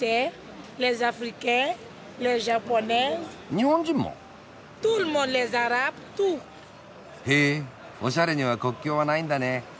日本人も。へオシャレには国境はないんだね。